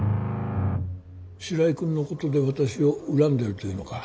白井君のことで私を恨んでいるというのか。